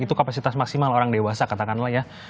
itu kapasitas maksimal orang dewasa katakanlah ya